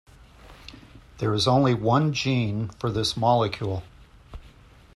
There is only one gene for this molecule.